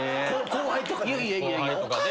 後輩とかで。